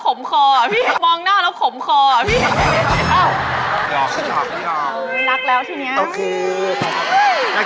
คุณก็ต้องแค่ให้สุดบ่อนบ่าน